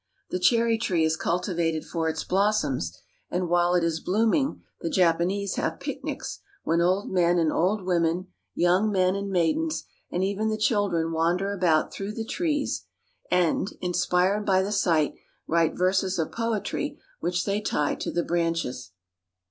The cherry tree is cultivated for its blossoms, and while it is blooming the Japanese have picnics when old men and old women, young men and maidens, and even the children wander about through the trees, and, inspired by the sight, write verses of poetry which they tie to the branches.